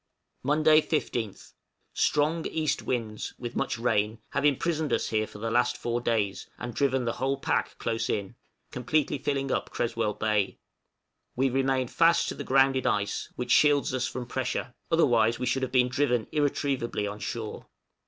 {A WHITE WHALE SHOT.} Monday, 15th. Strong east winds, with much rain, have imprisoned us here for the last four days, and driven the whole pack close in, completely filling up Creswell Bay. We remain fast to the grounded ice, which shields us from pressure, otherwise we should have been driven irretrievably on shore.